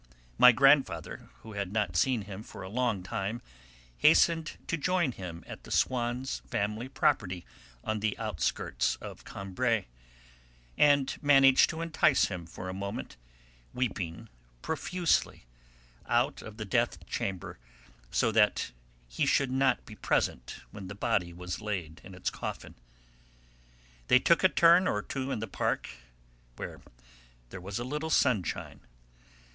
My grandfather, who had not seen him for a long time, hastened to join him at the Swanns' family property on the outskirts of Combray, and managed to entice him for a moment, weeping profusely, out of the death chamber, so that he should not be present when the body was laid in its coffin. They took a turn or two in the park, where there was a little sunshine.